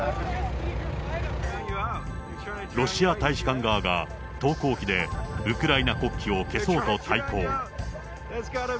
ロシア大使館側が投光器でウクライナ国旗を消そうと対抗。